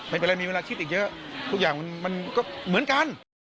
ไม่เป็นไรมีเวลาคิดอีกเยอะทุกอย่างมันก็เหมือนกัน